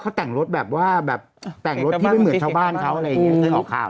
เขาแต่งรถอะไรว่าแต่งรถที่ไม่เหมือนข้าวบ้านเขา